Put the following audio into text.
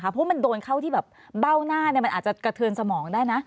เพราะว่ามันโดนเข้าที่บาวหน้ามันอาจจะกระเทินสมองได้นะ